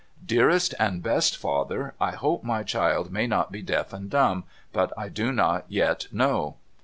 Dearest and best father, I hope my child may not be deaf and dumb, but I do not yet know.'